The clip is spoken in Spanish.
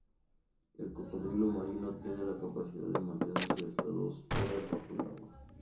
El cocodrilo marino tiene la capacidad de mantenerse hasta dos horas bajo el agua.